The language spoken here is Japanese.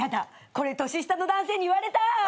これ年下の男性に言われたい。